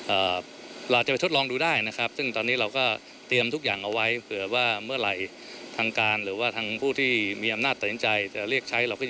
เราอาจจะไปทดลองดูได้นะครับซึ่งตอนนี้เราก็เตรียมทุกอย่างเอาไว้